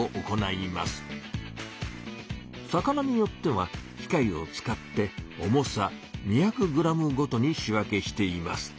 魚によっては機械を使って重さ２００グラムごとに仕分けしています。